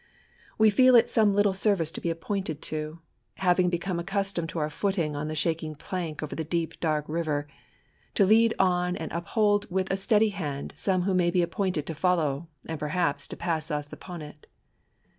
We feel it some little service to 1>e appointed to, — Shaving become accustomed to our footing on the shaking plank over the deep dark river, — ^to lead on and uphold with a steady hand some who may be appointed to follow, and perhaps to pass us upon it.